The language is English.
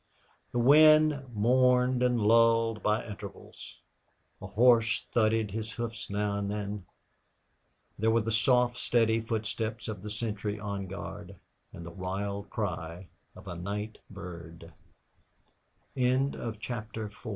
The wind mourned and lulled by intervals; a horse thudded his hoofs now and then; there were the soft, steady footsteps of the sentry on guard, and the wild cry of